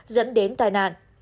dẫn đến tài nạn